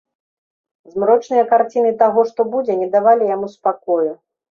Змрочныя карціны таго, што будзе, не давалі яму спакою.